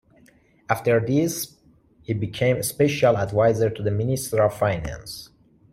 After this he became Special Advisor to the Minister of Finance.